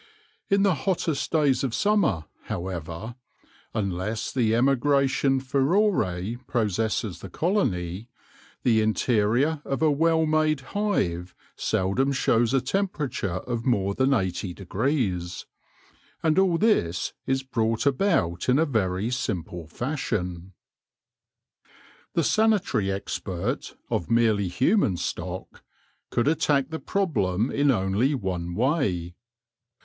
In the hottest days of summer, however, unless the emigration furore possesses the colony, the interior of a well made hive seldom shows a temperature of more than 8o°. And all this is brought about in a very simple fashion. The sanitary expert, of merely human stock, could attack the problem in only one way.